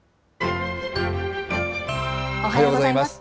おはようございます。